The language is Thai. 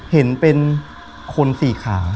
เห็นเป็นคนสี่ขา